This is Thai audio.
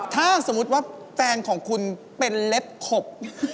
ถ้าสมมุติว่าแฟนของคุณเป็นเล็บขบ